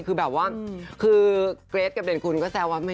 คือกรเกรทกับเด่นคุณก็แซวว่า